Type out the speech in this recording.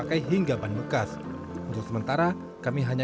dan hasilnya sampah sebanyak ini